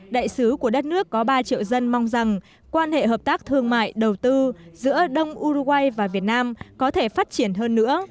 đại sứ của đất nước có ba triệu dân mong rằng quan hệ hợp tác thương mại đầu tư giữa đông uruguay và việt nam có thể phát triển hơn nữa